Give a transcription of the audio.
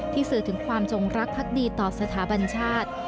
สื่อถึงความจงรักพักดีต่อสถาบันชาติ